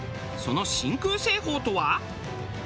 その真空製法とは？